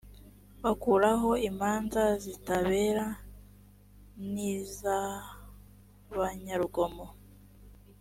bakuraho imanza zitabera n’iz’ abanyarugomo